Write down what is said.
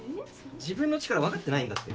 自分の力分かってないんだって。